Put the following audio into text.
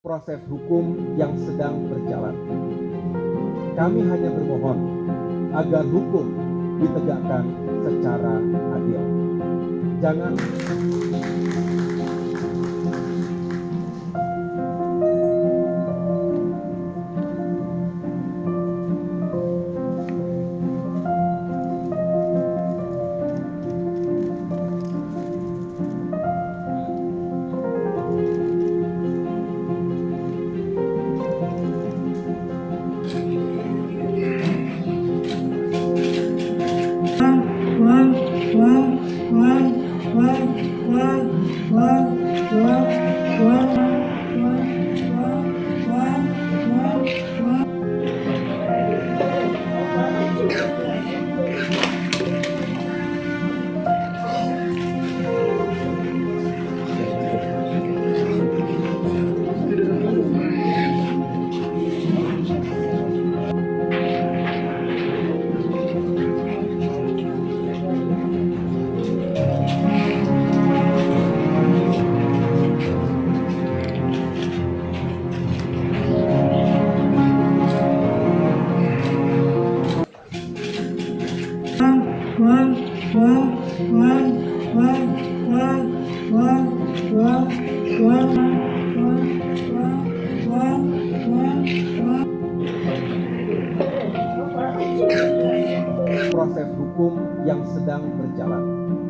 proses hukum yang sedang berjalan